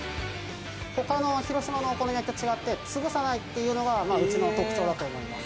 他の広島のお好み焼きと違ってつぶさないっていうのがうちの特徴だと思います。